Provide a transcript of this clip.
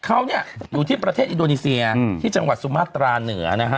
เขาเนี่ยอยู่ที่ประเทศอินโดนีเซียที่จังหวัดสุมาตราเหนือนะฮะ